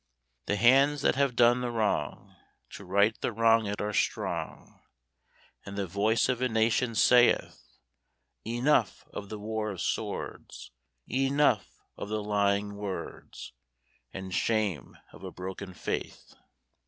The hands that have done the wrong To right the wronged are strong, And the voice of a nation saith: "Enough of the war of swords, Enough of the lying words And shame of a broken faith!"